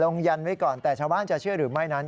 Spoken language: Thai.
ยันไว้ก่อนแต่ชาวบ้านจะเชื่อหรือไม่นั้น